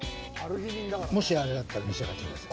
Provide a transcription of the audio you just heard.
もしあれだったら召し上がってください。